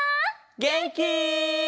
げんき？